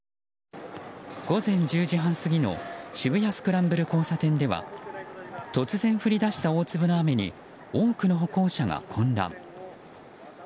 午前１０時半過ぎの渋谷スクランブル交差点では突然降り出した大粒の雨に多くの歩行者が混乱。